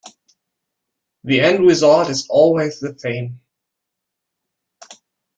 The end result is always the same.